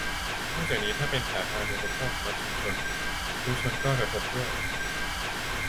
นอกจากนี้ถ้าเป็นสาธารณูปโภคสำหรับชุมชน ชุมชนก็กระทบด้วย